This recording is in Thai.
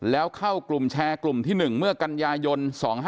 แล้วเข้ากลุ่มแชร์กลุ่มที่๑เมื่อกันยายน๒๕๖